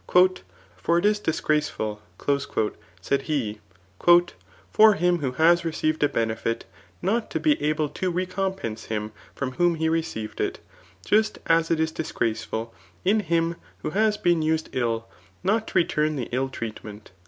]^^ For it is disgraceful," said he, ^ for him who has received a benefit not to be able to recompense him. from whom he received it; just as it is disgraceful in him who has been used ill, not to return the ill treatment."